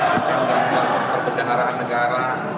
baca undang undang kebenaran negara